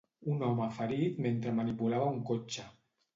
Un home ferit mentre manipulava un cotxe.